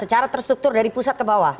secara terstruktur dari pusat ke bawah